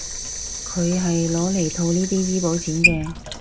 佢係攞嚟套呢啲醫保錢嘅